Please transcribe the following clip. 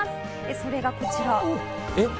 それがこちら。